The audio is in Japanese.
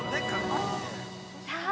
さあ